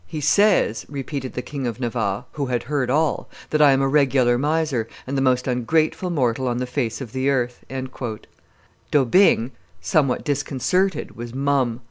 "He says," repeated the King of Navarre, who had heard all, that I am a regular miser, and the most ungrateful mortal on the face of the earth." D'Aubigne, somewhat disconcerted, was mum.